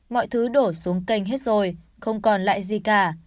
mọi thứ đổ xuống kênh hết rồi không còn lại gì cả